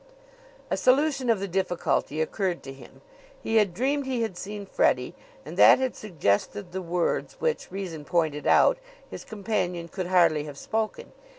A solution of the difficulty occurred to him: he had dreamed he had seen Freddie and that had suggested the words which, reason pointed out, his companion could hardly have spoken.